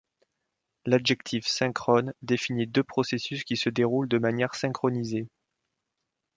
L'adjectif synchrone définit deux processus qui se déroulent de manière synchronisée.